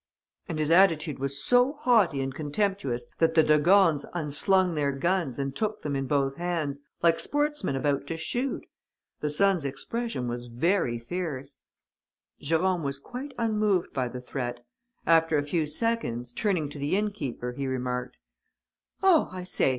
"And his attitude was so haughty and contemptuous that the de Gornes unslung their guns and took them in both hands, like sportsmen about to shoot. The son's expression was very fierce. "Jérôme was quite unmoved by the threat. After a few seconds, turning to the inn keeper, he remarked: "'Oh, I say!